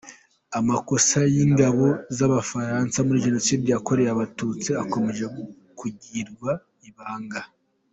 Amakosa y’ingabo z’Abafaransa muri Jenoside yakorewe Abatutsi akomeje kugirwa ibanga